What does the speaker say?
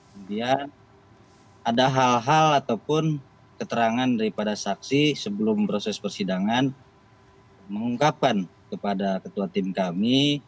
kemudian ada hal hal ataupun keterangan daripada saksi sebelum proses persidangan mengungkapkan kepada ketua tim kami